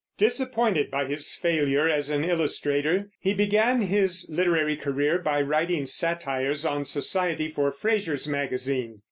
Disappointed by his failure as an illustrator, he began his literary career by writing satires on society for Fraser's Magazine.